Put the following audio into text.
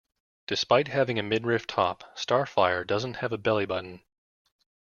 Despite having a midriff top, Starfire doesn't have a belly button.